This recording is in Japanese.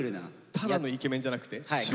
ただのイケメンじゃなくて超イケメン。